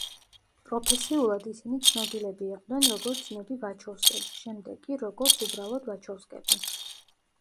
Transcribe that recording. პროფესიულად ისინი ცნობილები იყვნენ, როგორც ძმები ვაჩოვსკები, შემდეგ კი, როგორც უბრალოდ ვაჩოვსკები.